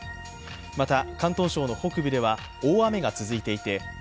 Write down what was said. また、広東省の北部では大雨が続いていて韶